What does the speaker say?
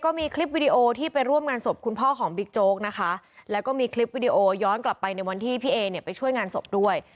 มีคลิปวิดีโอที่ไปร่วมงานศพคุณพ่อของบิ๊กโจ๊กนะคะแล้วก็มีคลิปวิดีโอย้อนกลับไปในวันที่พี่เอเนี่ยไปช่วยงานศพด้วย